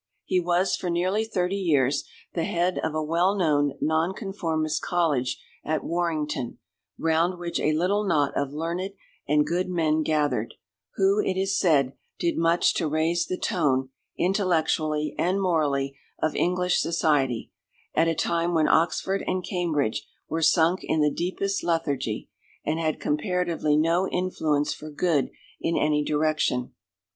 He was for nearly thirty years the head of a well known Nonconformist college at Warrington, round which a little knot of learned and good men gathered, who, it is said, did much to raise the tone, intellectually and morally, of English society at a time when Oxford and Cambridge were sunk in the deepest lethargy, and had comparatively no influence for good in any direction.